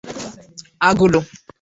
Agụlụ'.